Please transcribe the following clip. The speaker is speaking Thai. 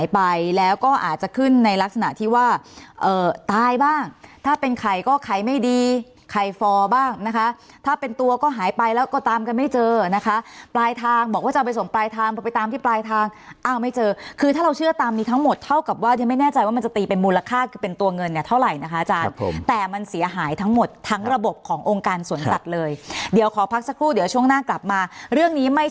ไปแล้วก็ตามกันไม่เจอนะคะปลายทางบอกว่าจะเอาไปส่งปลายทางบอกไปตามที่ปลายทางอ้าวไม่เจอคือถ้าเราเชื่อตามนี้ทั้งหมดเท่ากับว่ายังไม่แน่ใจว่ามันจะตีเป็นมูลค่าคือเป็นตัวเงินเนี้ยเท่าไหร่นะคะอาจารย์ครับผมแต่มันเสียหายทั้งหมดทั้งระบบขององค์การส่วนตัดเลยเดี๋ยวขอพักสักครู่เดี๋ยวช่วงหน้ากลับมาเร